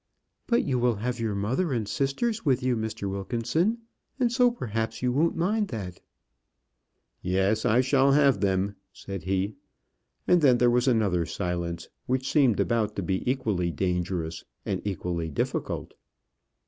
"But you will have your mother and sisters with you, Mr. Wilkinson; and so, perhaps, you won't mind that." "Yes, I shall have them," said he; and then there was another silence, which seemed about to be equally dangerous and equally difficult.